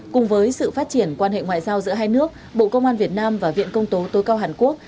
cùng với sự phát triển quan hệ ngoại giao giữa hai nước bộ công an việt nam và viện công tố cao hàn quốc